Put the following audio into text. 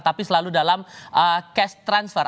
tapi selalu dalam cash transfer